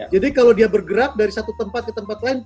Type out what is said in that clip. jadi kalau dia bergerak dari satu tempat ke tempat lain